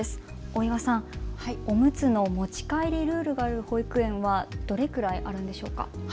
大岩さん、おむつの持ち帰りルールがある保育園はどれくらいあるんでしょうか。